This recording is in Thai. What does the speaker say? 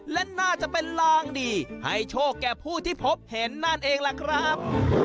และน่าจะเป็นลางดีให้โชคแก่ผู้ที่พบเห็นนั่นเองล่ะครับ